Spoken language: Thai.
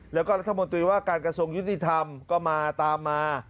แล้วก็รัฐมนตรีว่าการกระทรวงยุติธรรมก็มาตามมา